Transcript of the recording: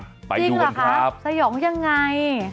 จริงเหรอคะสยองยังไง